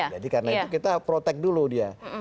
jadi karena itu kita protect dulu dia